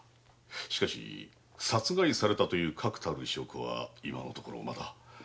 しかし殺害されたという確たる証拠はまだ。